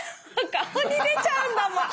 顔に出ちゃうんだもん。